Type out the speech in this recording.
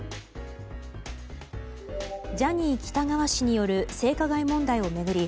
ジャニー喜多川氏による性加害問題を巡り